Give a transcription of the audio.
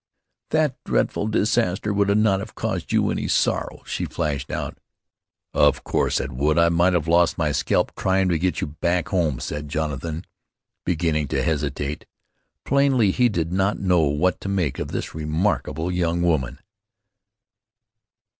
"That dreadful disaster would not have caused you any sorrow," she flashed out. "Of course it would. I might have lost my scalp tryin' to get you back home," said Jonathan, beginning to hesitate. Plainly he did not know what to make of this remarkable young woman.